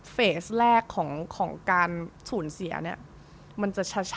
เฟสแรกของการสูญเสียมันจะชาหน่อย